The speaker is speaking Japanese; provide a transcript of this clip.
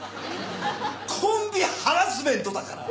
コンビハラスメントだから！